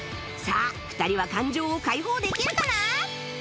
さあ２人は感情を解放できるかな？